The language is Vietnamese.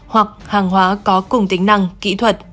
hoặc hàng hóa có cùng tính năng kỹ thuật